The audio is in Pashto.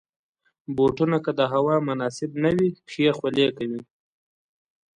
بوټونه که د هوا مناسب نه وي، پښې خولې کوي.